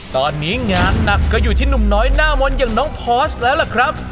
ตอนนี้งานหนักก็อยู่ที่หนุ่มน้อยหน้ามนต์อย่างน้องพอสแล้วล่ะครับ